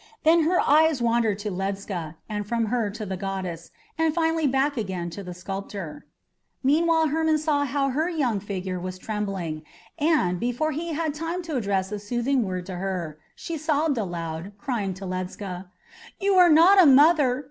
Then her eyes wandered to Ledscha, and from her to the goddess, and finally back again to the sculptor. Meanwhile Hermon saw how her young figure was trembling, and, before he had time to address a soothing word to her, she sobbed aloud, crying out to Ledscha: "You are not a mother!